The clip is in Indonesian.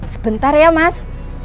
sebentar ya mas